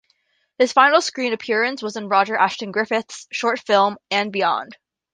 His final screen appearance was in Roger Ashton-Griffiths' short film "And Beyond".